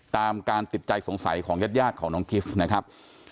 ตามการติดใจสงสัยของญาติของน้องกิฟต์นะครับ